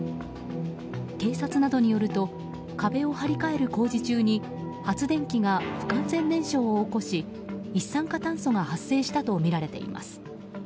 警察などによると壁を貼り替える工事中に発電機が不完全燃焼を起こし一酸化炭素が発生したとみられています。